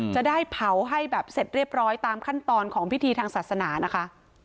จะได้เผาให้แบบเสร็จเรียบร้อยตามขั้นตอนของพิธีทางศาสนานะคะ